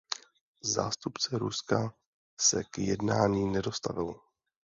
Zástupce Ruska se k jednání nedostavil.